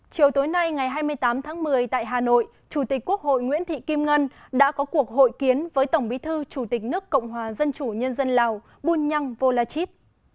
chiều tối nay ngày hai mươi tám tháng một mươi tại hà nội chủ tịch quốc hội nguyễn thị kim ngân đã có cuộc hội kiến với tổng bí thư chủ tịch nước cộng hòa dân chủ nhân dân lào bunyang volachit